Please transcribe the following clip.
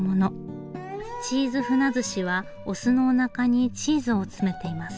チーズふなずしは雄のおなかにチーズを詰めています。